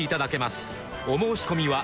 お申込みは